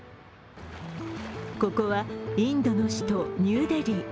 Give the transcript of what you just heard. ここはインドの首都・ニューデリー。